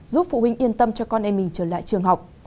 giúp phụ huynh yên tâm cho con em mình trở lại trường học